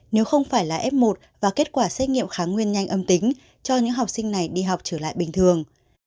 nếu không phải là f một và kết quả xét nghiệm kháng nguyên nhanh âm tính cho những học sinh này đi học trở lại bình thường